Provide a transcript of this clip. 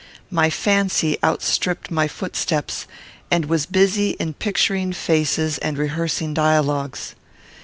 My fancy outstripped my footsteps, and was busy in picturing faces and rehearsing dialogues.